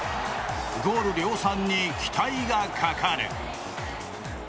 ゴール量産に期待がかかる。